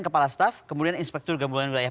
kepala staff kemudian inspektur gabungan wilayah